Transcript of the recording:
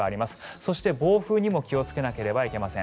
そして暴風にも気をつけないといけません。